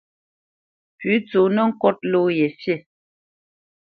Pʉ̌ tsónə́ kot ló ye fî.